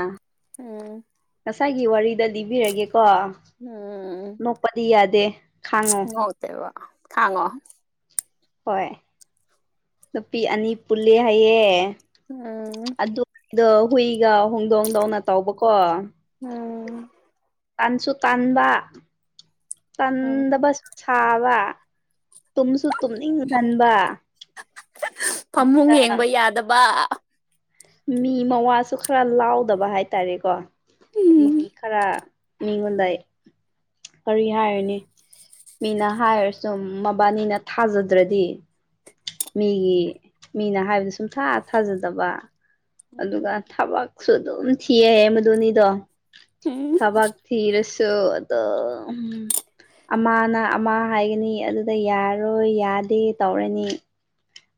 ꯑ ꯎꯝ ꯉꯁꯥꯏꯒꯤ ꯋꯥꯔꯤꯗ ꯂꯤꯕꯤꯔꯒꯦ ꯀꯣ ꯎꯝ ꯅꯣꯛꯄꯗꯤ ꯌꯥꯗꯦ ꯈꯥꯡꯉꯣ ꯉꯧꯗꯦꯕ ꯈꯥꯡꯉꯣ ꯍꯣꯏ ꯅꯨꯄꯤ ꯑꯅꯤ ꯄꯨꯂꯦ ꯍꯥꯏꯌꯦ ꯎꯝ ꯑꯗꯨ ꯑꯗꯣ ꯍꯨꯏꯒ ꯍꯣꯡꯗꯣꯡꯗꯧꯅ ꯇꯧꯕꯀꯣ ꯎꯝ ꯇꯥꯟꯁꯨ ꯇꯥꯟꯕ ꯎꯝ ꯇꯟꯗꯕ ꯁꯥꯕ ꯇꯨꯝꯁꯨ ꯇꯨꯝꯅꯤꯡ ꯉꯟꯕ ꯐꯃꯨꯡ ꯌꯦꯡꯕ ꯌꯥꯗꯕ ꯃꯤ ꯃꯋꯥꯁꯨ ꯈꯔ ꯂꯥꯎꯗꯕ ꯍꯥꯏꯇꯥꯔꯦꯀꯣ ꯍꯥꯏꯗꯤ ꯃꯤ ꯎꯝ ꯈꯔ ꯃꯤꯉꯣꯟꯗ ꯀꯔꯤ ꯍꯥꯏꯔꯅꯤ ꯃꯤꯅ ꯍꯥꯏꯔꯁꯨ ꯃꯕꯥꯅꯤꯅ ꯊꯥꯖꯗ꯭ꯔꯗꯤ ꯃꯤꯒꯤ ꯃꯤꯅ ꯍꯥꯏꯕꯗ ꯁꯨꯝꯊꯥ ꯊꯥꯖꯗꯕ ꯑꯗꯨꯒ ꯎꯝ ꯊꯕꯛꯁꯨ ꯑꯗꯨꯝ ꯊꯤꯌꯦ ꯃꯗꯨꯅꯤꯗꯣ ꯎꯝ ꯊꯕꯥꯥꯛ ꯊꯤꯔꯁꯣ ꯑꯗ ꯑꯃꯅ ꯑꯃ ꯍꯥꯏꯒꯅꯤ ꯑꯗꯨꯗ ꯌꯥꯔꯣꯏ ꯌꯥꯗꯦ ꯇꯧꯔꯅꯤ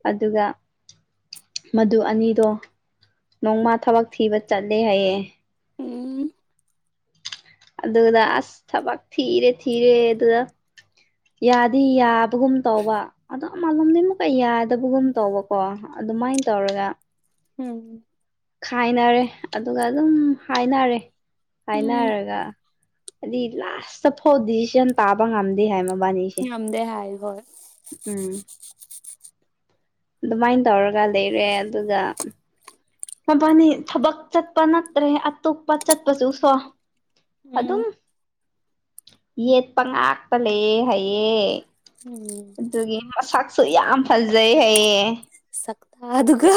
ꯑꯗꯨꯒ ꯃꯗꯨ ꯑꯅꯤꯗꯣ ꯅꯣꯡꯃ ꯊꯕꯛ ꯊꯤꯕ ꯆꯠꯂꯦ ꯍꯥꯏꯌꯦꯦ ꯎꯝ ꯑꯗꯨꯗ ꯑꯁ ꯊꯕꯛ ꯊꯤꯔꯦ ꯊꯤꯔꯦ ꯑꯗꯨꯗ ꯌꯥꯗꯤꯕ ꯨꯝ ꯇꯧꯕ ꯑꯗꯣ ꯑꯃꯂꯣꯝꯗꯒꯤꯩ ꯑꯃꯨꯛꯀ ꯌꯥꯗꯕꯒꯨꯝ ꯇꯧꯕꯀꯣ ꯑꯗꯨꯃꯥꯏꯅ ꯇꯧꯔꯒ ꯎꯝ ꯈꯥꯏꯅꯔꯦ ꯑꯗꯨꯒ ꯑꯗꯨꯝ ꯍꯥꯏꯅꯔꯦ ꯎꯝ. ꯍꯥꯏꯅꯔꯒ ꯍꯥꯏꯗꯤ ꯂꯥꯁꯇ ꯐꯥꯎ ꯗꯤꯁꯤꯖꯟ ꯇꯥꯕ ꯉꯝꯗꯦ ꯍꯥꯏ ꯃ ꯕꯥꯅꯤꯁ ꯉꯝꯗꯦ ꯍꯥꯏ ꯍꯣꯏ ꯎꯝ ꯑꯗꯨꯃꯥꯏꯅ ꯇꯧꯔꯒ ꯂꯩꯔꯦ ꯑꯗꯨꯒ ꯃꯕꯥꯅꯤ ꯊꯕꯛ ꯆꯠꯄ ꯅꯠꯇ꯭ꯔꯦ ꯑꯇꯣꯞꯄ ꯆꯠꯄꯁꯨ ꯁꯣ ꯑꯗꯨꯝ ꯎꯝ ꯌꯦꯠꯄ ꯉꯥꯛꯄ ꯂꯩꯑ ꯍꯥꯏꯌꯦꯦ ꯎꯝ ꯑꯗꯨꯒꯤ ꯃꯁꯛꯁꯨ ꯌꯥꯝ ꯐꯖꯩ ꯍꯌꯦꯌꯦꯦ ꯁꯛꯇꯇꯥ ꯑꯗꯨꯒ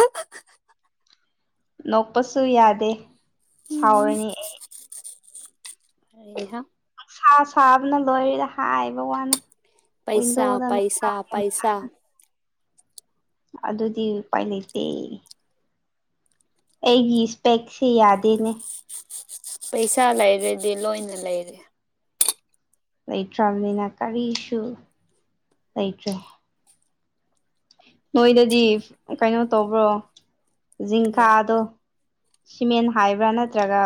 ꯅꯣꯛꯄꯁꯨ ꯌꯥꯗꯦ ꯎꯝ ꯁꯥꯎꯔꯅꯤ ꯑꯩ ꯍ [inaudible] ꯁꯥ ꯁꯥꯕꯅ ꯂꯣꯏꯔꯤꯗ ꯍꯥꯏꯕ ꯋꯥꯅꯦ ꯑꯗ ꯄꯩꯁꯥ ꯑꯗꯨ ꯆ ꯄꯩꯁꯥ ꯄꯩꯁꯥ ꯑꯗꯨꯗꯤ ꯎꯄꯥꯏ ꯂꯩꯇꯦ ꯑꯩꯒꯤ ꯏꯁꯄꯦꯛꯁꯦ ꯌꯥꯗꯦꯅꯦ ꯄꯩꯁꯥ ꯂꯩꯔꯗꯤ ꯂꯣꯏꯅ ꯂꯩꯔꯦ ꯂꯩꯇ꯭ꯔꯕꯅꯤꯅ ꯀꯔꯤꯁꯨ ꯂꯩꯇ꯭ꯔꯦ ꯅꯣꯏꯗꯗꯤ ꯀꯩꯅꯣ ꯇꯧꯕ꯭ꯔꯣ ꯀꯔꯤ ꯖꯤꯤꯡꯈꯥꯗꯣ ꯁꯤꯃꯦꯟ ꯍꯥꯏꯕ꯭ꯔꯥ ꯅꯠꯇ꯭ꯔꯒ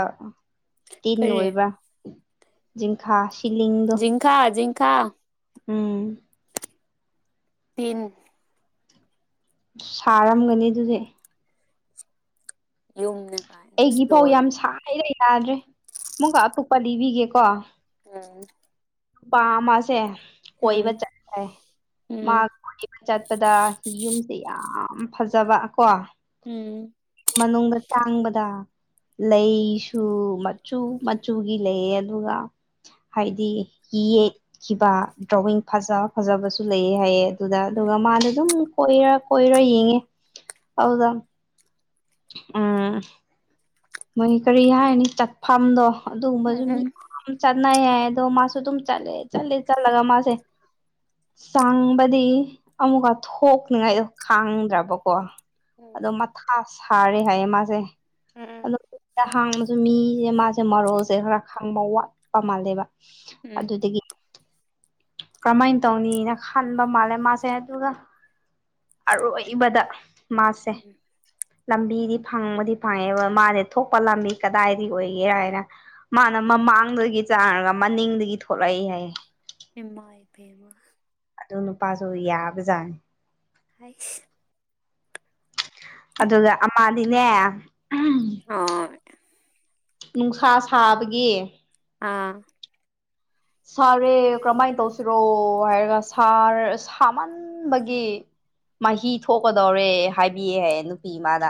ꯇꯤꯟ ꯀꯔꯤ ꯑꯣꯏꯕ꯭ꯔꯥ ꯖꯤꯤꯡꯈ ꯖꯤꯤꯤꯡꯈꯥ ꯖꯤꯤꯤꯡꯈꯥ [inaudible] ꯎꯝ ꯇꯤꯟ ꯁꯥꯔꯝꯒꯅꯤ ꯑꯗꯨꯗꯤ ꯌꯨꯝꯅꯦ ꯑꯩꯒꯤ ꯐꯥꯎ ꯌꯥꯝ ꯁ ꯂꯩ ꯌꯥꯗ꯭ꯔꯦ ꯑꯃꯨꯛꯀ ꯑꯇꯨꯞꯄ ꯂꯤꯕꯤꯒꯦꯀꯣ ꯎꯝ ꯄꯥꯝꯃꯁꯦ꯫ ꯎꯝ ꯀꯣꯏꯕ ꯆꯠꯂꯦ ꯃꯥ ꯎꯝ ꯀꯣꯏꯕ ꯆꯠꯄꯗ ꯌꯨꯝꯁꯦ꯫ ꯌꯥꯝ ꯐꯖꯕ ꯀꯣ꯫ ꯎꯝ꯫ ꯃꯅꯨꯡꯗ ꯆꯥꯡꯕꯗ꯫ ꯂꯩꯁꯨ ꯃꯆꯨ ꯃꯆꯨꯒꯤ ꯂꯩꯌꯦ ꯑꯗꯨꯒ ꯍꯥꯏꯗꯤ꯫ ꯌꯦꯛꯈꯤꯕ ꯗ꯭ꯔꯣꯋꯤꯡ ꯐꯖ ꯐꯖꯕꯁꯨ ꯂꯩꯑꯦ ꯍꯥꯏꯌꯦ ꯑꯗꯨꯗ ꯑꯗꯨꯒ ꯎꯝ ꯃꯥꯅ ꯑꯗꯨꯝ꯫ ꯀꯣꯏꯔ ꯀꯣꯏꯔ ꯌꯦꯡꯉꯦ ꯑꯗꯨꯗꯥ ꯎꯝ ꯃꯣꯏ ꯀꯔꯤ ꯍꯥꯏꯅꯤ ꯆꯠꯐꯝꯗꯣ ꯑꯗꯨꯒꯨꯝꯕꯁꯨ ꯃꯤ ꯎꯝ ꯆꯠꯅꯩ ꯍꯥꯏ ꯑꯗꯣ ꯃꯥꯁꯨ ꯑꯗꯨꯝ ꯆꯠꯂꯦ ꯆꯠꯂꯦ ꯆꯠꯂꯒ ꯃꯥꯁꯦ꯫ ꯆꯥꯡꯕꯗꯤ ꯑꯃꯨꯛꯀ ꯊꯣꯛꯅꯤꯉꯥꯏꯗꯣ ꯈꯥꯡꯗ꯭ꯔꯕꯀꯣ꯫ ꯑꯗꯣ ꯎꯝ ꯃꯊꯥ ꯁꯥꯔꯦ ꯍꯥꯏꯌꯦ ꯃꯥꯁꯦ꯫ ꯎꯝ ꯑꯅꯥꯛꯄꯗ ꯍꯥꯡꯕꯁꯨ ꯃꯤꯁꯦ ꯃꯥꯁꯦ ꯃꯔꯣꯜꯁꯦ ꯈꯔ ꯈꯥꯡꯕ ꯋꯥꯠꯄ ꯃꯥꯜꯂꯦꯕ꯫ ꯎꯝ ꯑꯗꯨꯗꯒꯤ꯫ ꯀꯔꯃꯥꯏꯅ ꯇꯧꯅꯤꯅ ꯈꯟꯕ ꯃꯥꯜꯂꯦ ꯃꯥꯁꯦ ꯑꯗꯨꯒ꯫ ꯑꯔꯣꯏꯕꯗ ꯃꯥꯁꯦ꯫ ꯂꯝꯕꯤꯗꯤ ꯐꯪꯕꯗꯤ ꯐꯪꯉꯦꯕ ꯃꯥꯁꯦ ꯊꯣꯛꯄ ꯂꯝꯕꯤ ꯀꯗꯥꯏꯗ ꯑꯣꯏꯒꯦꯔ ꯍꯥꯏꯅ ꯃꯥꯅ ꯃꯥꯡꯗꯒꯤ ꯆꯥꯔꯒ ꯃꯅꯤꯡꯗꯒꯤ ꯊꯣꯛꯂꯛꯏ ꯍꯥꯏꯌꯦ꯫ ꯏꯃꯥꯏ ꯄꯦꯝꯃ꯫ ꯑꯗꯨ ꯅꯨꯄꯥꯗꯣ ꯌꯥꯕꯖꯥꯠꯅꯤ꯫ ꯍꯥꯏꯁ꯫ ꯑꯗꯨꯒ ꯑꯃꯥꯗꯤꯅꯦ꯫ [unintelligible] ꯅꯨꯡꯁꯥ ꯁꯥꯕꯒꯤ꯫ ꯑꯥ꯫ ꯁꯥꯔꯦ ꯀꯔꯝꯍꯥꯏꯅ ꯇꯧꯁꯤꯔꯣ ꯍꯥꯏꯔꯒ ꯁꯥꯔ ꯁꯥꯃꯟꯕꯒꯤ꯫ ꯃꯍꯤ ꯊꯣꯛꯀꯗꯧꯔꯦ ꯍꯥꯏꯕꯤꯑꯦꯍ ꯅꯨꯄꯤ ꯑꯃꯥꯗ꯫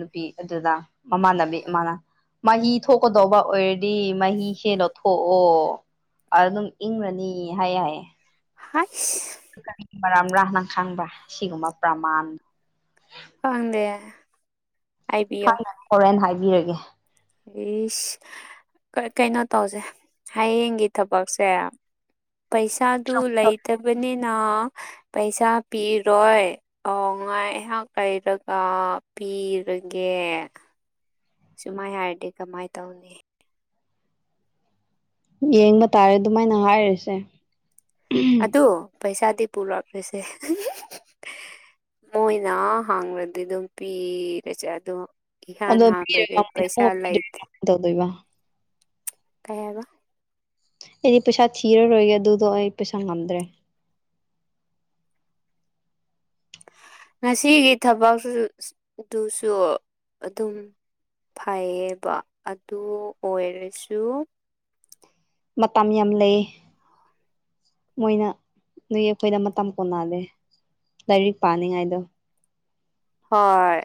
ꯅꯨꯄꯤ ꯑꯗꯨꯗ ꯃꯃꯥꯟꯅꯕꯤ ꯑꯃꯥꯅ ꯃꯍꯤ ꯊꯣꯛꯀꯗꯧꯕ ꯑꯣꯏꯔ ꯗꯤ ꯃꯍꯤꯁꯦ ꯂꯧꯊꯣꯛꯑꯣ ꯑꯗꯨꯝ ꯏꯪꯔꯅꯤ ꯍꯥꯏꯌꯦ ꯍꯥꯏꯌꯦ꯫ ꯍꯥꯏꯁ꯫ ꯀꯔꯤ ꯃꯔꯝꯔꯥ ꯅꯪ ꯈꯪꯕ ꯁꯤꯒꯨꯝꯕ ꯄ꯭ꯔꯃꯥꯟ꯫ ꯈꯪꯗꯦ꯫ ꯍꯥꯏꯕꯤꯌꯣ ꯈꯪꯉꯔꯣꯏ ꯍꯣꯔꯦꯟ ꯍꯥꯏꯕꯤꯔꯒꯦ꯫ ꯏꯁ꯫ ꯀꯩꯅꯣ ꯇꯧꯁꯦ ꯍꯌꯦꯡꯒꯤ ꯊꯕꯛꯁꯦ꯫ ꯄꯩꯁꯥꯗꯨ ꯂꯩꯇꯕꯅꯤꯅ꯫ ꯄꯩꯁꯥ ꯄꯤꯔꯣꯏ ꯑꯥ ꯉꯥꯏꯍꯥꯛ ꯂꯩꯔꯒ ꯄꯤ ꯔꯒꯦ꯫ ꯁꯨꯃꯥꯏ ꯍꯥꯏꯔꯗꯤ ꯀꯃꯥꯏꯅ ꯇꯧꯅꯤ꯫ ꯌꯦꯡꯕ ꯇꯥꯔꯦ ꯑꯗꯨꯃꯥꯏꯅ ꯍꯥꯏꯔꯤꯁꯦ꯫ ꯑꯗꯣ ꯄꯩꯁꯥꯗꯤ ꯄꯨꯔꯛꯂꯁꯦ꯫ ꯃꯣꯏꯅ ꯍꯪꯂꯗꯤ ꯑꯗꯨꯝ ꯄꯤꯔꯁꯦ ꯑꯗꯨꯝ꯫ ꯏꯍ ꯑꯗꯣ ꯍꯥꯟꯕꯗ ꯄꯤꯔꯒ ꯃꯣꯏꯅ ꯄꯩꯁꯥ ꯑꯃꯨꯛ ꯄꯤꯗꯣꯏꯔ ꯂꯩꯇꯦ꯫ ꯀꯃꯥꯏꯅ ꯇꯧꯗꯣꯏꯕ ꯀꯥꯌꯔ꯫ ꯑꯩꯗꯤ ꯄꯩꯁꯥ ꯊꯤꯔꯔꯣꯏꯒꯦ ꯑꯗꯨꯗꯣ ꯑꯩ ꯄꯩꯁꯥ ꯉꯝꯗ꯭ꯔꯦ꯫ [inaudible] ꯉꯁꯤꯒꯤ ꯊꯕꯛ ꯑꯗꯨꯁꯨ ꯑꯗꯨꯝ꯫ ꯐꯩꯌꯦꯕ ꯑꯗꯨ ꯑꯣꯏꯔꯁꯨ꯫ ꯃꯇꯝ ꯌꯥꯝ ꯂꯩꯌꯦ꯫ ꯃꯣꯏꯅ ꯅꯣꯏ ꯑꯩꯈꯣꯏꯅ ꯃꯇꯝ ꯀꯣꯟꯅꯍꯥꯜꯂꯦ꯫ ꯂꯥꯏꯔꯤꯛ ꯄꯥꯅꯤꯡꯉꯥꯏꯗꯣ ꯍꯣꯏ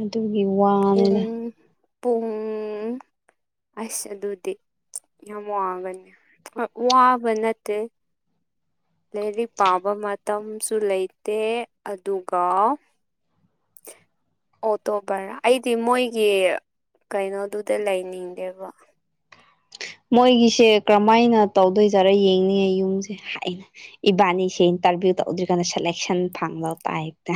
ꯑꯗꯨꯒꯤ ꯄꯨꯡ ꯋꯥꯅꯤꯅ ꯄꯨꯡ ꯑꯁ ꯑꯗꯨꯗꯤ ꯌꯥꯝ ꯋꯥ ꯋꯥꯒꯅꯤ ꯋꯥꯕ ꯅꯠꯇꯦ ꯂꯥꯏꯔꯤꯛ ꯄꯥꯕ ꯃꯇꯝꯁꯨ ꯂꯩꯇꯦ ꯑꯗꯨꯒ ꯑꯣ ꯇꯣ ꯚꯔꯥ ꯑꯩꯗꯤ ꯃꯣꯏꯒꯤ ꯀꯩꯅꯣꯗꯨꯗ ꯂꯩꯅꯤꯡ ꯇꯔ ꯃꯣꯏꯒꯤꯁꯦ ꯀꯔꯝꯍꯥꯏꯅ ꯇꯧꯗꯣꯏꯖꯥꯔꯥ ꯌꯦꯡꯅꯤꯡꯉꯦ ꯌꯨꯝꯁꯦ ꯍꯥꯏꯅ ꯏꯕꯥꯅꯤꯁꯦ ꯇꯔꯚꯀꯥꯟ ꯁꯦꯀꯁꯟ ꯐꯥꯂ ꯇꯥꯏꯛꯇ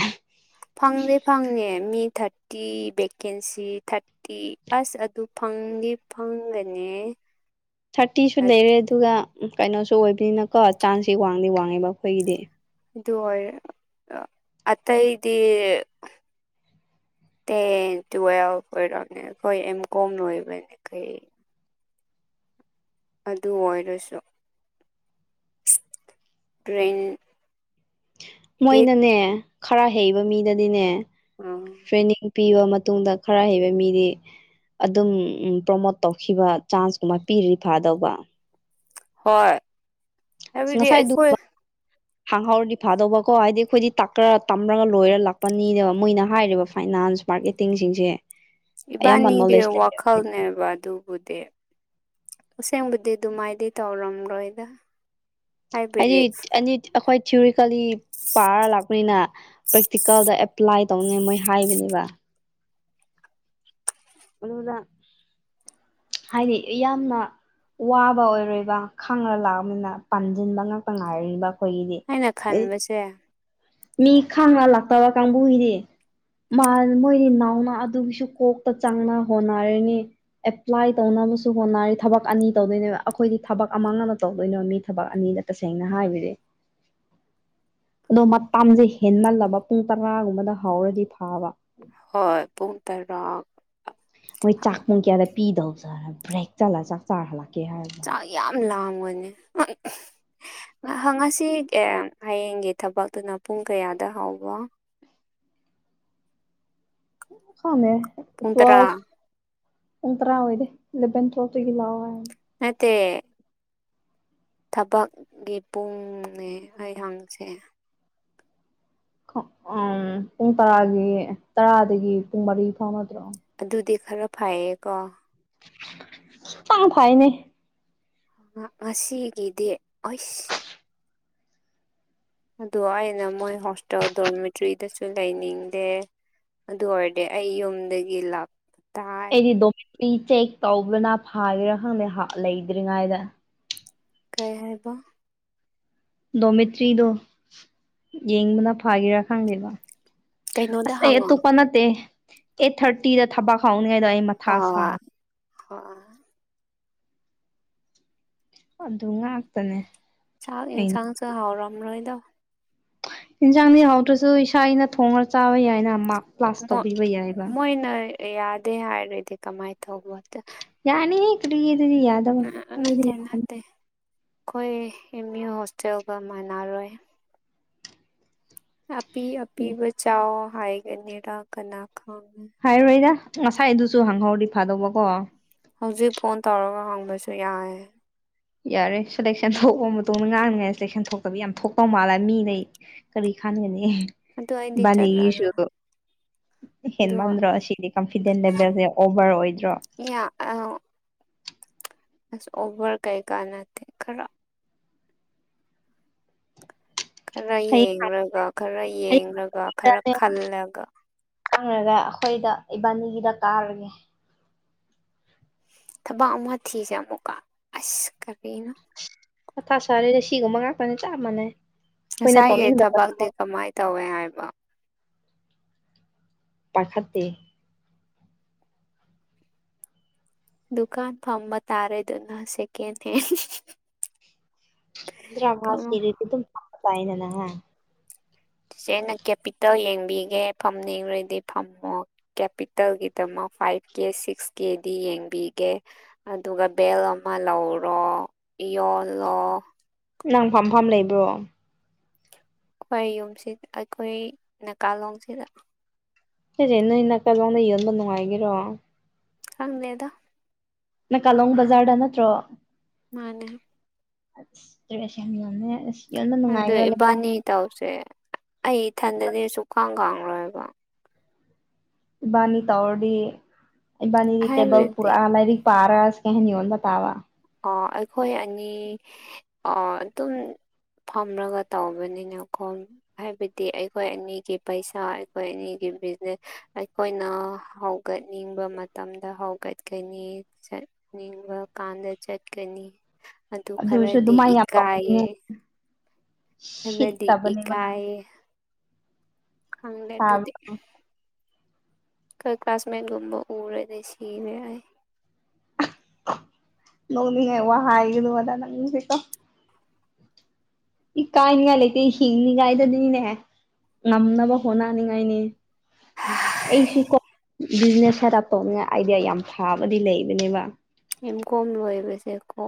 ꯐꯪꯗꯦ ꯐꯪꯅꯦꯦ ꯃꯦ ꯊꯥꯔ ꯐꯇꯤ ꯚꯦꯀꯦꯟꯁꯤ ꯊꯥꯔꯇꯤ ꯑꯁ ꯑꯗꯨ ꯐꯪꯗꯤ ꯐꯪꯒꯅꯤ ꯊꯥꯔꯇꯤꯁꯨ ꯂꯩꯔꯦ ꯑꯗꯨꯒ ꯀꯩꯅꯣꯁꯨ ꯑꯣꯏꯕꯅꯤꯅꯀꯣ ꯆꯥꯡꯁꯁꯤ ꯋꯥꯡꯗꯤ ꯋꯥꯡꯉꯦꯕ ꯑꯩꯈꯣꯏꯒꯤꯗꯤ ꯑꯗꯨ ꯑꯣꯏ ꯑꯇꯩꯗꯤ ꯇꯨꯋ ꯑꯣꯏꯔꯣꯣꯏꯦꯝ ꯀꯣꯝꯅꯕ ꯀ ꯑꯗꯨ ꯑꯣꯏꯔꯁꯨ ꯇ꯭ꯔꯦꯟ ꯑꯩꯠ ꯃꯣꯏꯅꯅꯦ ꯈꯔ ꯍꯩꯕ ꯃꯤꯗꯗꯤꯅꯦ ꯎꯝ ꯇ꯭ꯔꯦꯅꯤꯡ ꯄꯤꯕ ꯃꯇꯨꯡꯗ ꯈꯔ ꯍꯩꯕ ꯃꯤꯗꯤ ꯑꯗꯨꯝ ꯄ꯭ꯔꯣꯃꯣꯠ ꯇꯧꯈꯤꯕ ꯆꯥꯟꯁꯀꯨꯝꯕ ꯄꯤꯔꯤ ꯐꯥꯗꯧꯕ ꯍꯣꯏ ꯍꯥꯏꯕꯗꯤ ꯑꯩꯈꯣꯏ ꯍꯥꯡꯍꯥꯎꯗꯤ ꯐꯥꯗꯧꯕꯀꯣ ꯍꯥꯏꯗꯤ ꯑꯩꯈꯣꯏꯗꯤ ꯇꯥꯛ ꯇꯝꯃꯔꯒ ꯂꯣꯏꯔ ꯂꯥꯛꯄꯅꯤꯅꯦꯕ ꯃꯣꯏꯅ ꯍꯥꯏꯔꯤꯕ ꯐꯥꯏꯅꯥꯟꯁ ꯃꯥꯔꯀꯦꯇꯤꯡꯁꯤꯡꯁꯦ ꯑꯌꯥꯝꯕ ꯏꯕꯅꯤꯒ ꯅꯣꯂꯦꯖ ꯂꯩ ꯋꯥꯈꯜꯅꯦꯕ ꯑꯗꯨ ꯕꯨꯗꯤ ꯑꯁꯦꯡꯕꯨꯗꯤ ꯑꯗꯨꯃꯥꯏꯗꯤ ꯇꯧꯔꯝꯔꯣꯏꯗ ꯍꯥꯏꯕ ꯍꯥꯏꯗꯤ ꯑꯦꯅꯤ ꯑꯩꯈꯣꯏ ꯊꯤꯑꯣꯣꯔꯤꯀꯦꯜꯂꯤ ꯄꯥꯔ ꯂꯥꯛꯄꯅꯤꯅ ꯄ꯭ꯔꯦꯛꯇꯤꯀꯦꯜꯗ ꯑꯦꯄ꯭ꯂꯥꯏꯠ ꯇꯧꯅꯦ ꯃꯣꯏ ꯍꯥꯏꯕꯅꯦꯕ ꯑꯗꯨꯗ ꯍꯥꯏꯗꯤ ꯌꯥꯝꯅ ꯋꯥꯕ ꯑꯣꯏꯔꯣꯏꯕ ꯈꯪꯉ ꯂꯥꯛꯑꯅꯤꯅ ꯄꯥꯟꯁꯤꯟꯕ ꯉꯥꯛꯛꯇ ꯉꯥꯏꯔꯤꯕ ꯑꯩꯈꯣꯏꯒꯤꯗꯤ ꯑꯩꯅ ꯈꯟꯕꯁꯦ ꯃꯤ ꯈꯥꯟꯉ ꯂꯥꯛꯇꯥꯕ ꯀꯪꯕꯨꯍꯤꯔꯦ ꯃꯣꯏꯗꯤ ꯅꯥꯎꯅ ꯑꯗꯨꯒꯤꯁꯨ ꯀꯣꯛꯇ ꯆꯪꯅ ꯍꯣꯠꯅꯔꯅꯤ ꯑꯦꯄ꯭ꯂꯥꯏ ꯇꯧꯅ ꯨ ꯍꯣꯠꯅꯔꯤ ꯊꯕꯛ ꯑꯅꯤ ꯇꯧꯗꯣꯏꯅꯦꯕ ꯑꯩꯈꯣꯏꯗꯤ ꯊꯕꯛ ꯑꯃ ꯑꯃ ꯇꯧꯗꯣꯏꯅꯦꯕ ꯃꯤ ꯊꯕꯛ ꯑꯅꯤꯗ ꯇꯁꯦꯡꯅ ꯍꯥꯏꯕꯤꯗꯤ [unintelligible] ꯑꯗꯣ ꯃꯇꯝꯁꯦ ꯍꯦꯟꯃꯜꯂꯕ ꯄꯨꯡ ꯇꯔꯥꯒꯨꯝꯕꯗ ꯍꯥꯎꯔꯗꯤ ꯐꯥꯕ ꯍꯣꯏ ꯄꯨꯡ ꯇꯔꯥꯡꯛ ꯄꯤꯗꯧꯖꯔ ꯕꯦꯛ ꯆꯠꯂꯒ ꯆꯥꯛ ꯆꯥꯔꯥꯛ ꯆꯥꯛ ꯌꯥꯝ ꯂꯥꯡꯒꯅꯤ ꯉꯁꯤ ꯍꯌꯦꯡꯒꯤ ꯊꯕꯛꯇꯨꯅ ꯄꯨꯡ ꯀꯌꯥꯗ ꯍꯧꯕꯣ ꯈꯃꯦ ꯄꯨꯡ ꯇꯔꯥ ꯎ ꯇꯔ ꯑꯣꯏ ꯏꯗꯦ ꯂꯦꯕꯦꯟ ꯊ꯭ꯔꯣꯇꯨꯒꯤ ꯂꯥꯎꯑꯣ ꯍꯥꯏ ꯇ ꯊꯕꯛꯀꯤ ꯄꯨꯡꯅꯦ ꯑꯩꯍꯪꯁꯦ ꯎ ꯄꯨꯡ ꯇꯔꯥꯒꯤ ꯇꯔꯥꯗꯒꯤ ꯄꯨꯡ ꯃꯔꯤ ꯐꯥꯎ ꯅꯠꯇ꯭ꯔꯣ ꯑꯗꯨꯗꯤ ꯈꯔ ꯐꯩꯌꯦ ꯀꯣ ꯇꯥ ꯐꯥꯏꯅꯦ ꯉꯁꯤꯒꯤꯗ ꯑꯁ ꯑꯗꯨ ꯍꯥꯏ ꯅ ꯃ ꯍꯁꯥꯎ ꯗꯣꯔꯃꯦꯇ꯭ꯔꯤꯗꯁꯨ ꯂꯩꯅꯤꯡꯗꯦ ꯑꯗꯨ ꯑꯣꯏꯔꯗꯤ ꯑꯩ ꯌꯨꯝꯗꯒꯤ ꯂ ꯑꯩꯗꯤ ꯗꯣ ꯆꯦꯛ ꯇꯧꯕ꯭ꯔꯅ ꯐꯥꯒꯦꯔꯥ ꯈꯪꯗꯦ ꯂꯩꯗ꯭ꯔꯤꯉꯩꯗ ꯀꯩ ꯍꯥꯏꯔꯤꯕ ꯗꯣꯃꯦꯇ꯭ꯔꯤꯗꯣ ꯌꯦꯡꯕꯅ ꯐꯥꯒꯔꯥ ꯈꯪꯗꯦꯕ ꯀꯩꯅꯣꯗ ꯑꯁ ꯑꯩ ꯍꯪꯉꯣ ꯑꯇꯣꯞꯄ ꯅꯠꯇꯦ ꯑꯩꯠ ꯊꯥꯔꯇꯤꯗ ꯊꯕꯛ ꯪꯉꯩꯗ ꯑꯩ ꯃꯊꯥ ꯁꯦ ꯍꯣꯏ ꯍꯣꯏ ꯑꯗꯨ ꯉꯥꯛꯇꯅꯦ ꯆꯥꯛ ꯑꯩꯅ ꯏꯟꯁꯥꯡꯁꯨ ꯍꯥꯎꯔꯝꯔꯣꯏꯗ ꯏꯟꯁꯥꯡꯗꯤ ꯍꯥꯎꯗ꯭ꯔꯁꯨ ꯏꯁꯥꯅ ꯊꯣꯡꯉ ꯆꯥꯕ ꯌꯥꯏꯅ ꯑꯃ ꯀ꯭ꯂꯥꯁ ꯇꯧꯕ ꯌꯥꯏꯕ ꯃꯣꯏꯅ ꯌꯥꯗꯦ ꯍꯥꯏꯔ꯭ꯔꯗꯤ ꯀꯃꯥꯏ ꯌꯥꯅꯤ ꯀꯗꯤꯗꯤꯗꯤ ꯌꯥꯗ ꯑ ꯋꯥꯗꯤ ꯅꯠꯇꯦ ꯌꯥ ꯅꯠꯇꯦ ꯑꯩꯈꯣꯏ ꯑꯦꯝ ꯌꯨ ꯍꯣꯁꯇꯦꯜꯒ ꯃꯥꯟꯅꯔꯣꯏ ꯑꯄꯤ ꯑꯄꯤꯕ ꯆꯥꯎ ꯍꯥꯏꯒꯅꯤꯔ ꯀꯅꯥ ꯈꯪꯉꯦ ꯍꯥꯏꯔꯣꯏꯗ ꯉꯁꯥꯏ ꯑꯗꯨꯁꯨ ꯍꯪꯍꯧꯔꯤ ꯐꯥꯗꯧꯕꯀꯣ ꯍꯧꯖꯤꯛ ꯐꯣꯟ ꯇꯧꯔꯒ ꯍꯪꯕꯁꯨ ꯌꯥꯏ ꯌꯥꯔꯦ ꯁꯦꯂꯦꯛꯁꯟ ꯊꯣꯛꯑꯕ ꯃꯇꯨꯡꯗ ꯉꯥꯡꯅꯉꯥꯏ ꯁꯦꯂꯦꯛꯁꯟ ꯊꯣꯛꯇꯕ ꯌꯥꯝ ꯊꯣꯛꯇꯧ ꯃꯥꯜꯂꯦ ꯃꯤꯅ ꯀꯔꯤ ꯈꯒꯅꯤ ꯑꯗꯨ ꯑꯩꯗꯤ ꯅꯤꯒꯤꯁꯨ ꯆꯠꯂꯔꯣꯏ ꯍꯦꯟ ꯑꯗꯣ ꯃꯟꯗ꯭ꯔꯣ ꯁꯤꯗꯤ ꯀꯟꯐꯤꯗꯦꯟ ꯂꯦꯚꯦꯜꯁꯦ ꯑꯣꯚꯔ ꯑꯣꯏꯗ꯭ꯔꯣ ꯑ ꯑ ꯑꯣꯚꯔ ꯀꯩ ꯀꯥꯟꯅꯠꯇꯦ ꯈꯔ ꯈꯔ ꯍꯌꯦꯡ ꯌꯦꯡꯂꯒ ꯈꯔ ꯌꯦꯡꯂꯒ ꯈꯔ ꯈꯜꯂꯒ ꯈꯪꯉꯒ ꯑꯩꯈꯣꯏꯗ ꯏꯕꯥꯅꯤꯒꯤꯗ ꯀꯥꯔꯒꯦ ꯊꯕꯛ ꯑꯃ ꯊꯤꯁꯦ ꯑꯃꯨꯀ ꯑꯁ ꯀꯔꯤꯅ ꯃꯊꯥ ꯁꯔꯦꯗ ꯁꯤꯒꯨꯝꯕ ꯉꯥꯛꯇꯅꯦ ꯆꯞ ꯃꯅꯩ ꯉꯁꯥꯏꯒꯤ ꯊꯕꯛꯇꯤ ꯀꯃꯥꯏꯅ ꯇꯧꯋꯦ ꯍꯥꯏꯕ ꯄꯥꯏꯈꯠꯇꯦꯗ ꯗꯨꯀꯥꯟ ꯐꯝꯕ ꯇꯥꯔꯦꯗꯅ ꯁꯦꯀꯦꯟ ꯍꯦꯟ ꯀꯃ ꯑꯗꯨꯗ꯭ꯔꯃꯁꯔꯤ ꯑꯗꯨꯝ ꯐꯥꯏꯗꯅ ꯁꯤꯁꯦ ꯑꯩꯅ ꯀꯦꯄꯤꯇꯦꯜ ꯌꯦꯡꯕꯤꯒꯦ ꯐꯝ ꯌꯦꯡꯔꯗꯤ ꯐꯝꯃꯣ ꯀꯦꯄꯤꯇꯦꯜꯒꯤꯗꯃꯛ ꯐꯥꯏꯚ ꯀꯦ ꯁꯤꯛꯁ ꯀꯦꯗꯤ ꯌꯦꯡꯕꯤꯒꯦ ꯑꯗꯨꯒ ꯕꯦꯜ ꯑꯃ ꯂꯧꯔꯣ ꯌꯣꯂꯣ ꯅꯪ ꯐꯥꯝ ꯐꯥꯝ ꯂꯩꯕ꯭ꯔꯣ ꯍꯣꯏ ꯌꯨꯝꯁꯤ ꯑꯩꯈꯣꯏ ꯅꯥꯀꯥꯂꯣꯡꯁꯤꯗ ꯁꯤꯁꯦ ꯅꯣꯏ ꯅꯥꯀꯜꯂꯣꯝꯗ ꯌꯦꯪꯕ ꯅꯨꯡꯉꯥꯏꯒꯔꯣ ꯈꯪꯗꯦꯗꯥ ꯅꯥꯀꯥꯂꯣꯡ ꯕꯖꯥꯔꯗ ꯅꯠꯇ꯭ꯔꯣ ꯃꯥꯅꯦ ꯁꯃꯦ ꯑꯗꯣ ꯏꯕꯥꯅꯤ ꯇꯥꯎꯁꯦ ꯑꯩ ꯏꯊꯟꯗꯗꯤ ꯁꯨꯛꯈꯥꯡ ꯈꯪꯂꯣꯏꯕ ꯏꯕꯥꯅꯤ ꯇꯧꯔꯗꯤ ꯏꯕꯥꯅꯤꯅꯤ ꯇꯦꯕꯜ ꯄꯨꯔꯥ ꯍꯥꯏꯕꯗꯤ ꯑꯂꯥꯏꯔꯤ ꯄꯥꯔꯥꯁ ꯀꯩꯅꯤꯉꯗ ꯇꯥꯕ ꯑ ꯑꯩꯈꯣꯏ ꯑꯅꯤ ꯑ ꯑꯗꯨꯝ ꯐꯝꯂꯒ ꯇꯧꯕꯅꯤꯅ ꯈꯣ ꯍꯥꯏꯕꯗꯤ ꯑꯩꯈꯣꯏ ꯑꯅꯤꯒꯤ ꯄꯩꯁꯥ ꯑꯩꯈꯣꯏ ꯑꯅꯤꯒꯤ ꯕꯤꯅꯦ ꯑꯩꯈꯣꯏꯅ ꯍꯧꯒꯠꯅꯤꯡꯕ ꯃꯇꯝꯗ ꯍꯧꯒꯠꯀꯅꯤ ꯅꯤꯡꯕ ꯀꯥꯟꯗ ꯆꯠꯀꯅꯤ ꯑꯗꯨ ꯑꯗꯨꯁꯨ ꯈꯔꯗꯤ ꯑꯗꯨꯃꯥꯏꯅ ꯌꯥꯝ ꯏꯀꯥꯏꯌꯦ ꯇꯧꯕꯅꯦ ꯈꯔꯥꯗꯤ ꯁꯤꯠꯇꯕꯅꯦꯕ ꯏꯀꯥꯏꯌꯦ ꯍꯪꯒꯦ ꯑꯗꯨꯗꯤ ꯇꯥꯕꯗꯣ ꯈꯣꯏ ꯀ꯭ꯂꯥꯁꯃꯦꯠꯒꯨꯝꯕ ꯎꯔ ꯂꯩ ꯁꯤꯔ ꯌꯥꯏ ꯅꯣꯡꯅꯤꯡꯉꯥꯏ ꯋꯥ ꯍꯥꯏꯒꯗ ꯑꯗꯥ ꯅꯪꯁꯤꯀꯣ ꯏ ꯀꯥꯏꯅꯤꯉꯥꯏ ꯂꯩꯇꯦ ꯍꯤꯡꯅꯤꯉꯥꯏꯗꯗꯤꯅꯤꯅꯦ ꯉꯝꯅꯕ ꯍꯣꯠꯅꯅꯤꯉꯥꯏꯅꯦ ꯑꯩꯁꯨ ꯀ ꯕꯤꯖꯅꯦꯁ ꯄꯩꯁꯥ ꯇꯥꯞꯄꯣ ꯑꯃꯅ ꯑꯥꯏꯗꯤꯌꯥ ꯌꯥꯝ ꯐꯥꯕꯗꯤ ꯂꯩꯕꯅꯦꯕ ꯑ ꯀꯣꯝ ꯂꯣꯏꯕꯁꯦꯀꯣ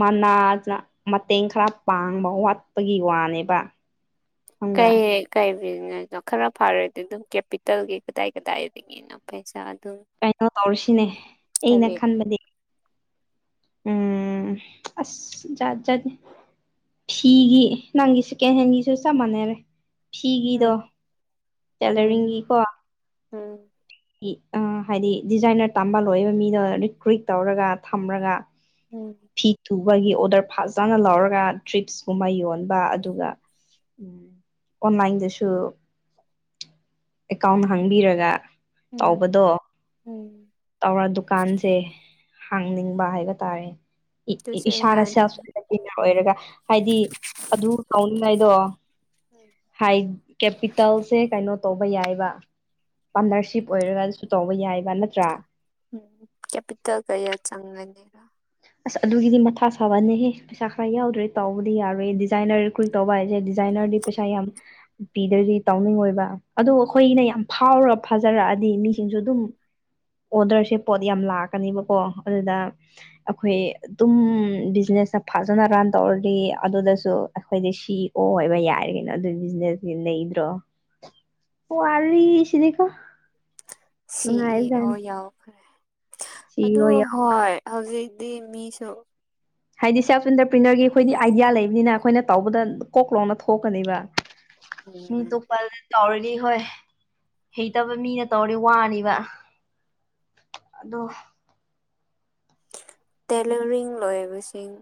ꯃꯅꯥꯖꯅ ꯃꯇꯦꯡ ꯈꯔ ꯄꯥꯡꯕ ꯋꯥꯠꯄꯒꯤ ꯋꯥꯅꯦꯕ ꯈꯪꯕ꯭ꯔꯥ ꯀꯥꯏ ꯀꯥꯏ ꯕꯤꯖꯤꯅꯦꯁꯅꯣ ꯈꯔ ꯐꯔꯗꯤ ꯑꯗꯨꯝ ꯀꯦꯄꯤꯇꯦꯜꯒꯤ ꯀꯗꯥꯏ ꯀꯗꯥꯏꯗꯒꯤꯅꯣ ꯄꯩꯁꯥ ꯑꯗꯨꯝ ꯀꯩꯅꯣ ꯇꯧꯔꯁꯤꯅꯦ ꯑꯩꯅ ꯀꯔꯤ ꯈꯟꯕꯗꯤ ꯎꯝ ꯑꯁꯦ ꯐꯤꯒꯤ ꯅꯪꯒꯤ ꯁꯦꯀꯦꯟ ꯍꯦꯟꯒꯤꯁꯨ ꯆꯞ ꯃꯥꯟꯅꯩꯔꯦ ꯐꯤꯒꯤꯗꯣ ꯎꯝ ꯎꯝ ꯇꯦꯂꯔꯤꯡꯒꯤꯀꯣ ꯎꯝ ꯍꯥꯏꯗꯤ ꯗꯤꯖꯥꯏꯅꯔ ꯇꯝꯕ ꯂꯣꯏꯏꯕ ꯃꯤꯗꯣ ꯔꯤꯀ꯭ꯔꯨꯠ ꯇꯧꯔꯒ ꯊꯝꯔꯒ ꯎꯝ ꯊꯤꯊꯨ ꯑꯩꯈꯣꯏꯒꯤ ꯑꯣꯗꯔ ꯐꯖꯅ ꯂꯧꯔꯒ ꯇ꯭ꯔꯤꯞꯁꯀꯨꯝꯕ ꯌꯣꯟꯕ ꯑꯗꯨꯒ ꯎꯝ ꯑꯣꯟꯂꯥꯏꯟꯗꯁꯨ ꯑꯦꯀꯥꯎꯟ ꯍꯥꯡꯕꯤꯔꯒ ꯎꯝ ꯇꯧꯕꯗꯣ ꯎꯝ ꯇꯧꯔ ꯗꯨꯀꯥꯟꯁꯦ ꯍꯥꯡꯅꯤꯡꯕ ꯍꯥꯏꯕ ꯇꯥꯔꯦ ꯑꯗꯨꯁꯨ ꯏꯁꯥꯅ ꯌꯥꯅꯤ ꯁꯦꯜ ꯑꯣꯏꯔꯒ ꯍꯥꯏꯗꯤ ꯑꯗꯨ ꯇꯧꯅꯤꯡꯉꯥꯏꯗꯣ ꯍ ꯀꯦꯄꯤꯇꯦꯜꯁꯦ ꯀꯥꯏꯅ ꯇꯧꯕ ꯌꯥꯏꯕ ꯄꯥꯔꯠꯅꯔꯁꯤꯞ ꯑꯣꯏꯔꯒꯁꯨ ꯇꯧꯕ ꯌꯥꯏꯕ ꯅꯠꯇ꯭ꯔꯥ ꯎꯝ ꯀꯌꯥ ꯄꯤꯠꯇ ꯀꯩ ꯌꯥ ꯆꯪꯔ ꯑꯁ ꯑꯗꯨꯒꯤꯗꯤ ꯃꯊꯥ ꯁꯥꯕꯅꯦꯍꯦ ꯄꯩꯁꯥ ꯈꯔ ꯌꯥꯎꯗ꯭ꯔꯦ ꯇꯥꯎꯕꯗꯤ ꯌꯥꯔꯣꯏꯦ ꯗꯤꯖꯥꯏꯅꯔ ꯀꯨꯏ ꯇꯧꯕ ꯍꯥꯏꯁꯦ ꯗꯤꯖꯥꯏꯟ ꯄꯩꯁꯥ ꯌꯥꯝ ꯄꯤꯗ꯭ꯔꯗꯤ ꯇꯥꯎꯅꯤꯡꯉ ꯑꯣꯏꯕ ꯑꯗꯣ ꯑꯩꯈꯣꯏꯅ ꯌꯥꯝ ꯐꯥꯎꯔ ꯐꯥꯖꯔꯛꯑꯗꯤ ꯃꯤꯁꯤꯡꯁꯨ ꯑꯗꯨꯝ ꯑꯣꯗꯔꯁꯦ ꯄꯣꯠ ꯌꯥꯝ ꯂꯥꯛꯀꯅꯦꯕꯀꯣ ꯑꯗꯨꯗ ꯑꯩꯈꯣꯏ ꯑꯗꯨꯝ ꯕꯤꯖꯤꯅꯦꯁꯇ ꯐꯖꯅ ꯔꯟ ꯇꯧꯔꯗꯤ ꯑꯗꯨꯗꯁꯨ ꯑꯩꯈꯣꯏꯗꯤ ꯁꯤ ꯑꯣ ꯍꯣꯏꯕ ꯌꯥꯏꯔꯤꯒꯅꯣ ꯑꯗꯨ ꯕꯤꯖꯤꯅꯦꯁ ꯂꯩꯗ꯭ꯔꯣ [unintelligible] [inaudible] ꯑꯣ ꯑꯔꯔꯤ ꯁꯤꯅꯤꯀꯣ ꯁꯤ ꯏ ꯑꯣ ꯌꯥꯎꯈ꯭ꯔꯦ ꯁꯤ ꯏ ꯑꯗꯨ ꯑꯣ ꯌꯥꯎ ꯍꯣꯏ ꯍꯧꯖꯤꯛ ꯗ ꯃꯤꯁꯨ ꯍꯥꯏꯗꯤ ꯁꯦꯜꯐ ꯏꯟꯇꯔꯄ꯭ꯔꯤꯅꯔꯒꯤ ꯑꯩꯈꯣꯏꯗꯤ ꯑꯥꯏꯗꯤꯌꯥ ꯂꯩꯕꯅꯤꯅ ꯑꯩꯈꯣꯏꯅ ꯇꯧꯕꯗ ꯀꯣꯛ ꯂꯣꯅ ꯊꯣꯛꯀꯅꯦꯕ ꯃꯤ ꯎꯝ ꯇꯣ ꯄꯂ ꯇꯧꯔꯗꯤ ꯍꯣꯏ ꯍꯩꯇꯕ ꯃꯤꯅ ꯇꯧꯔꯗꯤ ꯋꯥꯕ ꯑꯗꯣ ꯇꯦꯂꯔꯤꯡ ꯂꯣꯏꯕꯁꯤꯡ